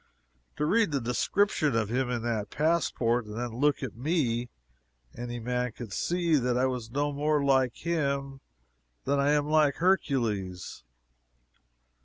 To read the description of him in that passport and then look at me, any man could see that I was no more like him than I am like Hercules.